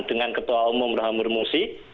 dengan ketua umum muhammad musi